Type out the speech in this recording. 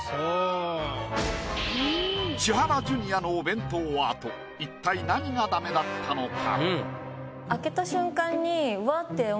千原ジュニアのお弁当アート一体何がダメだったのか？